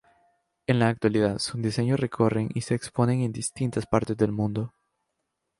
En la actualidad sus diseños recorren y se exponen en distintas partes del mundo.